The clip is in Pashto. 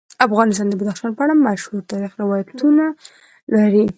افغانستان د بدخشان په اړه مشهور تاریخی روایتونه لري.